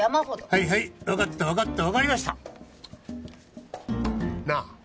はいはい分かった分かった分かりましたなあ